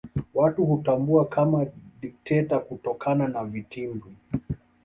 Watu hutambua kama dikteta kutokana na vitimbwi